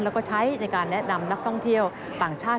แล้วก็ใช้ในการแนะนำนักท่องเที่ยวต่างชาติ